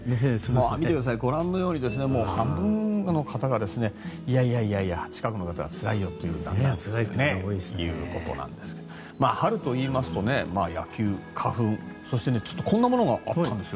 見てください、ご覧のように半分の方がいやいや、近くの方はつらいよということなんですが春といいますと野球、花粉そしてこんなものがあったんですよ。